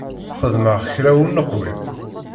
Xedmeɣ kra ur neqwim?